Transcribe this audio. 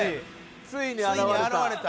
「ついについに現れた」